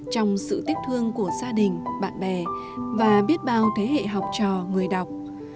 trong sự tiếc thương của gia đình bạn bè và biết bao thế hệ học trò người đọc